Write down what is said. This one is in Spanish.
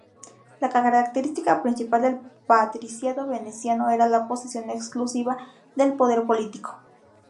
La característica principal del patriciado veneciano era la posesión exclusiva del poder político.